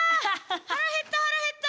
腹減った腹減った！